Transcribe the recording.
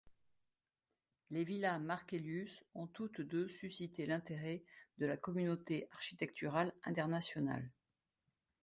Les villas Markelius ont toutes deux suscité l'intérêt de la communauté architecturale internationale.